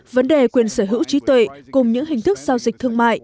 vấn đề quyền sở hữu trí tuệ cùng những hình thức giao dịch thương mại